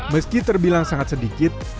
meski terbilang sangat sedikit